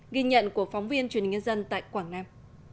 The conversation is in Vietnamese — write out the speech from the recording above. ghi nhận của phóng viên truyền hình nhân dân tại quảng nam